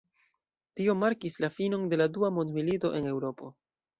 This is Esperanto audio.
Tio markis la finon de la Dua Mondmilito en Eŭropo.